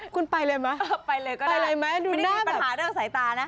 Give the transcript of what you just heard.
คุณไปเลยมั้ยไปเลยมั้ยดูหน้าแบบไปเลยก็ได้ไม่ได้มีปัญหาเรื่องสายตานะ